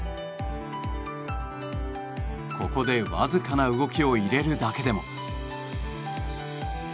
ここで、わずかな動きを入れるだけでも。